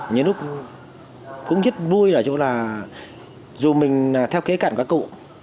những lúc cũng rất vui là dù mình theo kế cận các cụ